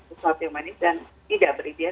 sesuatu yang manis dan tidak beriziah